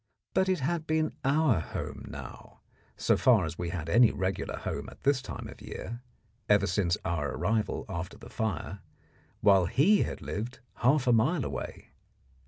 But it had been our home now, so far as we had any regular home at this time of year, ever since our arrival after the fire, while he had lived half a mile away.